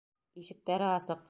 Ишектәре асыҡ!